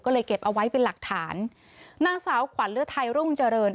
ก็เลยเก็บเอาไว้เป็นหลักฐานนางสาวขวัญเรือไทยรุ่งเจริญ